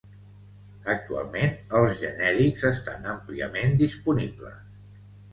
Actualment, els genèrics estan àmpliament disponibles.